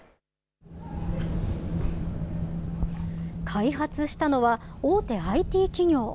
開発したのは、大手ＩＴ企業。